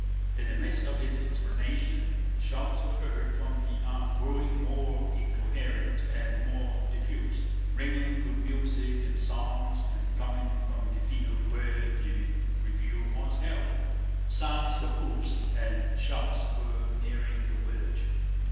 In the midst of his explanation shouts were heard from the army, growing more incoherent and more diffused, mingling with music and songs and coming from the field where the review was held. Sounds of hoofs and shouts were nearing the village.